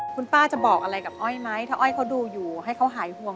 คุณป้าจะบอกอะไรกับอ้อยไหมถ้าอ้อยเขาดูอยู่ให้เขาหายห่วง